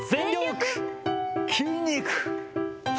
筋肉。